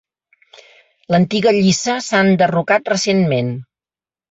L'antiga lliça s'ha enderrocat recentment.